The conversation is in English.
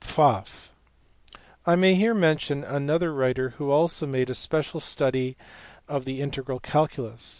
Pfaff. I may here mention another writer who also made a special study of the integral calculus.